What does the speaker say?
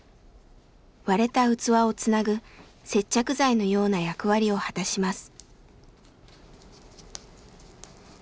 割れた器をつなぐ接着剤のような役割を果たします。